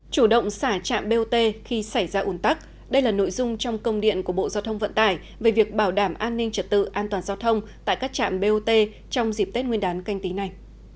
chủ động xả trạm bot khi xảy ra ủn tắc đây là nội dung trong công điện của bộ giao thông vận tải về việc bảo đảm an ninh trật tự an toàn giao thông tại các trạm bot trong dịp tết nguyên đán canh tí này